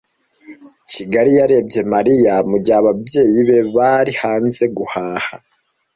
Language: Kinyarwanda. kigeli yarebye Mariya mugihe ababyeyi be bari hanze guhaha.